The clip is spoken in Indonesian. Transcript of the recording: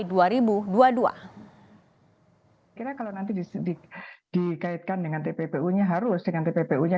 kira kira kalau nanti dikaitkan dengan tppu nya harus dengan tppu nya